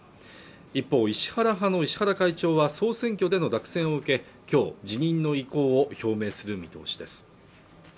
一方石原派の石原会長は総選挙での落選を受け今日辞任の意向を表明する見通しです